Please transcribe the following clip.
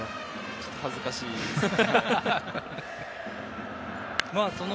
ちょっと恥ずかしいですね。